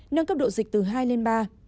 nâng cấp độ dịch từ hai lên ba